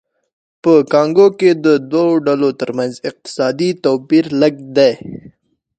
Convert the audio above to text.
د کانګو کې د دوو ډلو ترمنځ اقتصادي توپیر لږ دی